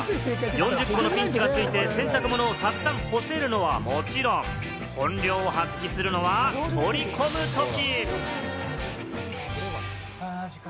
４０ピンチが付いて、洗濯物を干せるのはもちろん、本領発揮するのは、取り込むとき。